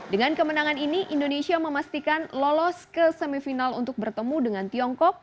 dengan kemenangan ini indonesia memastikan lolos ke semifinal untuk bertemu dengan tiongkok